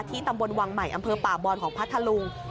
ที่ตำบลวังใหม่อำเภอปากบอนของพระธรุง